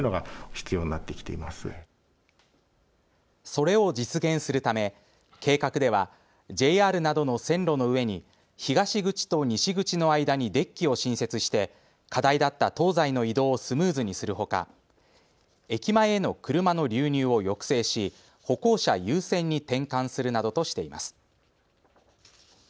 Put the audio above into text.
それを実現するため計画ではＪＲなどの線路の上に東口と西口の間にデッキを新設して課題だった東西の移動をスムーズにするほか、駅前への車の流入を抑制し歩行者優先に転換するなどとしています。